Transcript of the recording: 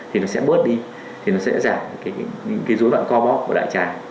thì nó sẽ bớt đi thì nó sẽ giảm những cái dối loạn co bóp và đại trà